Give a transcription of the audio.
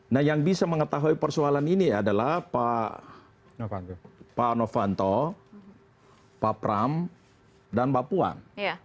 nah yang bisa mengetahui persoalan ini adalah pak novanto pak pram dan mbak puan